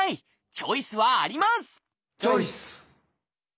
チョイス！